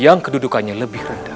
yang kedudukannya lebih rendah